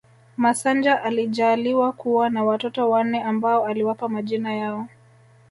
Masanja alijaaliwa kuwa na watoto wanne ambao aliwapa majina yao